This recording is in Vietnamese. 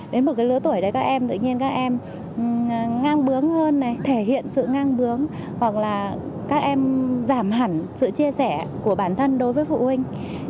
đến một lứa tuổi tự nhiên các em ngang bướng hơn thể hiện sự ngang bướng hoặc là các em giảm hẳn sự chia sẻ của bản thân đối với phụ huynh